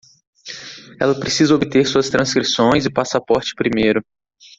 Ela precisa obter suas transcrições e passaporte primeiro.